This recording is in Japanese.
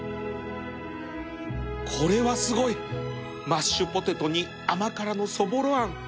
これはすごいマッシュポテトに甘辛のそぼろあん